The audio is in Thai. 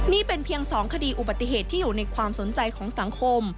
นี่เป็นเพียง๒คดีอุบัติเหตุที่อยู่ในความสนใจของสังคม